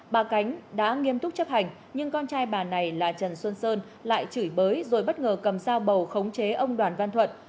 bà cánh đã nghiêm túc chấp hành nhưng con trai bà này là trần xuân sơn lại chửi bới rồi bất ngờ cầm dao bầu khống chế ông đoàn văn thuận